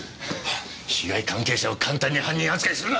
被害関係者を簡単に犯人扱いするな。